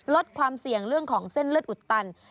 ลดความเสี่ยงเรื่องของเส้นเลือดอุดตัน